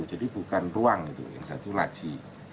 jadi bukan ruang itu satu laji